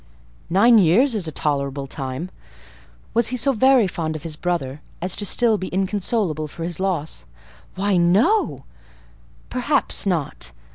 "Nine years is a tolerable time. Was he so very fond of his brother as to be still inconsolable for his loss?" "Why, no—perhaps not.